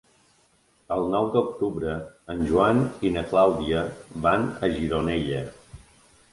El nou d'octubre en Joan i na Clàudia van a Gironella.